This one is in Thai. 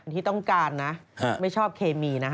ที่ต้องการนะไม่ชอบเคมีนะฮะ